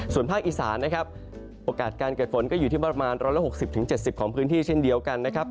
ส่วนภาคอีสานนะครับโอกาสการเกิดฝนก็อยู่ที่ประมาณ๑๖๐๗๐ของพื้นที่เช่นเดียวกันนะครับ